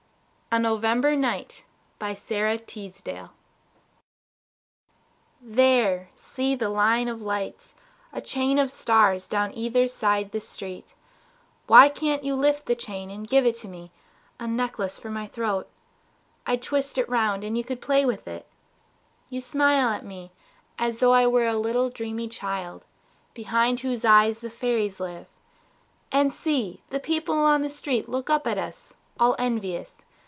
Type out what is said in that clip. IV A November Night There! See the line of lights, A chain of stars down either side the street Why can't you lift the chain and give it to me, A necklace for my throat? I'd twist it round And you could play with it. You smile at me As though I were a little dreamy child Behind whose eyes the fairies live. ... And see, The people on the street look up at us All envious.